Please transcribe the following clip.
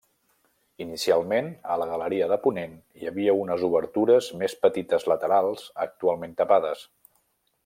Inicialment, a la galeria de ponent hi havia unes obertures més petites laterals, actualment tapades.